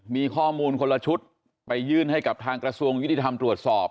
มีข้อมูลคนละชุดไปยื่นให้กับทางกระทรวงยุติธรรมตรวจสอบ